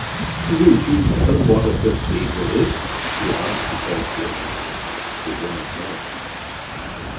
"Do you know what a cathedral is?" he asks, jocosely. The woman nods.